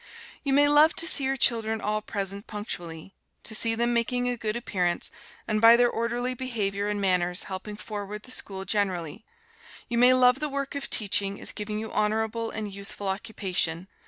You may love to see your children all present punctually, to see them making a good appearance, and by their orderly behavior and manners helping forward the school generally; you may love the work of teaching as giving you honorable and useful occupation.